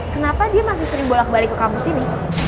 kenapa dia masih sering bolak balik ke kampus ini